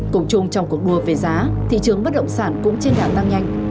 cùng chung trong cuộc đua về giá thị trường bất động sản cũng trên đà tăng nhanh